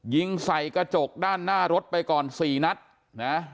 ยิงใส่กระจกด้านหน้ารถไปก่อนสี่นัดนะ